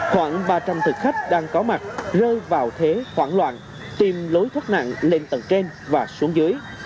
khoảng ba trăm linh thực khách đang có mặt rơi vào thế khoảng loạt tìm lối thoát nạn lên tầng trên và xuống dưới